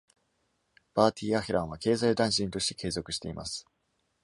バーティー・アヘランは経済大臣として継続しています。